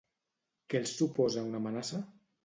Què els suposa una amenaça?